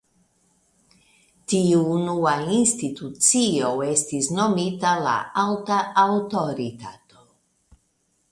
Tiu unua institucio estis nomita la "Alta Aŭtoritato".